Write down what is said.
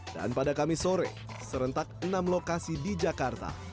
pada kamis sore serentak enam lokasi di jakarta